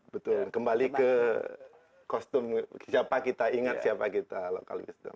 betul kembali ke kostum siapa kita ingat siapa kita lokal wisdom